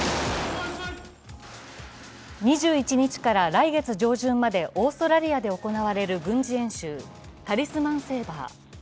２１日から来月上旬までオーストラリアで行われる軍事演習、タリスマン・セーバー。